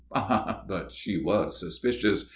Ah! But she was suspicious!